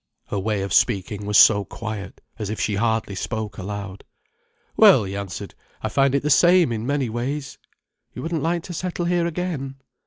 Her way of speaking was so quiet, as if she hardly spoke aloud. "Well," he answered. "I find it the same in many ways." "You wouldn't like to settle here again?"